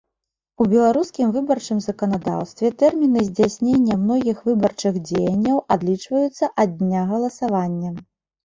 У беларускім выбарчым заканадаўстве тэрміны здзяйснення многіх выбарчых дзеянняў адлічваюцца ад дня галасавання.